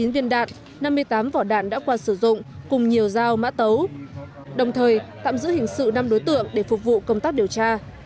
một mươi viên đạn năm mươi tám vỏ đạn đã qua sử dụng cùng nhiều dao mã tấu đồng thời tạm giữ hình sự năm đối tượng để phục vụ công tác điều tra